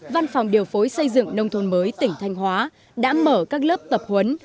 văn phòng điều phối xây dựng nông thôn mới tỉnh thanh hóa đã mở các lớp tập huấn